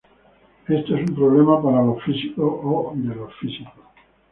Este es un problema para los físicos; o de los físicos.